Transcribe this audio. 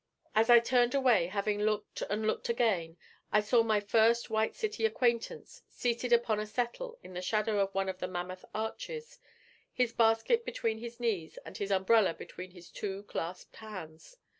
As I turned away, having looked and looked again, I saw my first White City acquaintance seated upon a settle in the shadow of one of the mammoth arches, his basket between his knees and his umbrella between his two clasped hands.